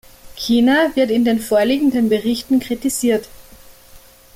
China wird in den vorliegenden Berichten kritisiert.